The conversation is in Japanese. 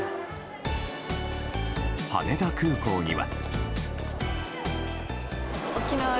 羽田空港には。